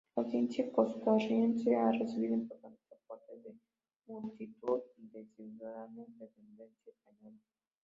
La ciencia costarricense ha recibido importantes aportes de multitud de ciudadanos de ascendencia española.